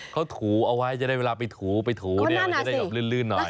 เขาถูเอาไว้จะได้เวลาไปถูเดี๋ยวจะได้ออกลื่นหน่อย